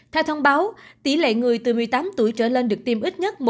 theo thông báo tỷ lệ người từ một mươi tám tuổi trở lên được tiêm ít nhất